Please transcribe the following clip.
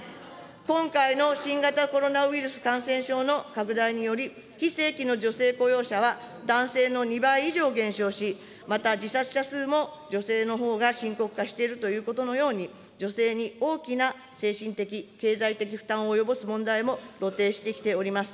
今回の新型コロナウイルス感染症の拡大により、非正規の女性雇用者は、男性の２倍以上減少し、また自殺者数も女性のほうが深刻化しているということのように、女性に大きな精神的、経済的負担を及ぼす問題も露呈してきております。